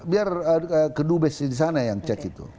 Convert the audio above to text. biar kedua base di sana yang cek itu